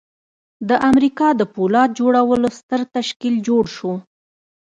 د امریکا د پولاد جوړولو ستر تشکیل جوړ شو